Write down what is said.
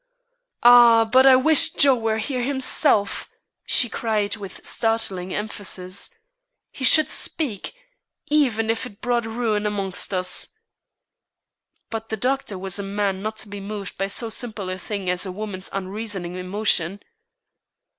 "Ah, but I wish Joe were here himself!" she cried with startling emphasis. "He should speak, even if it brought ruin amongst us." But the doctor was a man not to be moved by so simple a thing as a woman's unreasoning emotion.